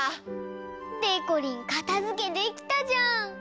でこりんかたづけできたじゃん！